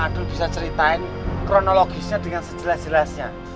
aduh bisa ceritain kronologisnya dengan sejelas jelasnya